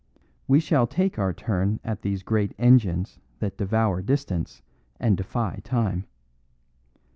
We shall take our turn at these great engines that devour distance and defy time.